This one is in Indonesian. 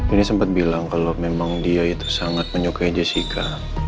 ini sempat bilang kalau memang dia itu sangat menyukai jessica